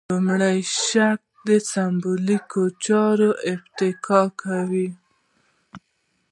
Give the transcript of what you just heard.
لومړي شرک سېمبولیکو چارو اکتفا کوي.